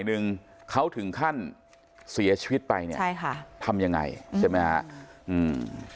หนึ่งเขาถึงขั้นเสียชีวิตไปเนี่ยใช่ค่ะทำยังไงใช่ไหมฮะอืม